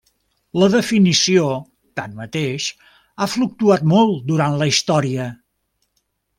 La definició, tanmateix, ha fluctuat molt durant la història.